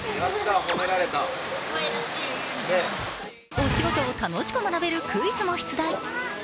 お仕事を楽しく学べるクイズも出題。